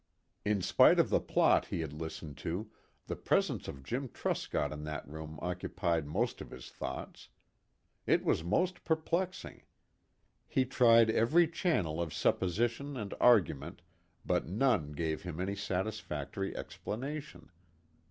In spite of the plot he had listened to, the presence of Jim Truscott in that room occupied most of his thoughts. It was most perplexing. He tried every channel of supposition and argument, but none gave him any satisfactory explanation.